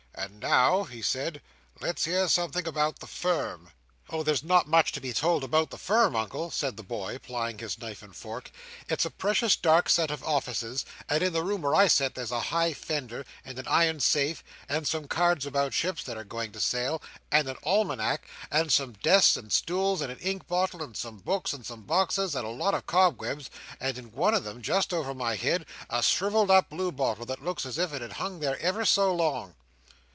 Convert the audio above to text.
"And now," he said, "let's hear something about the Firm." "Oh! there's not much to be told about the Firm, Uncle," said the boy, plying his knife and fork. "It's a precious dark set of offices, and in the room where I sit, there's a high fender, and an iron safe, and some cards about ships that are going to sail, and an almanack, and some desks and stools, and an inkbottle, and some books, and some boxes, and a lot of cobwebs, and in one of 'em, just over my head, a shrivelled up blue bottle that looks as if it had hung there ever so long."